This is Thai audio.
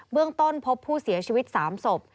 เรื่องต้นพบผู้เสียชีวิต๓ศพ